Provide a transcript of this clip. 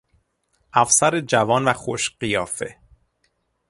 افسر جوان و خوش قیافه